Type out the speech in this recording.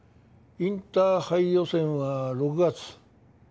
インターハイ予選は６月。